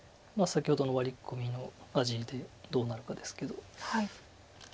まあ先ほどのワリ込みの味でどうなるかですけど。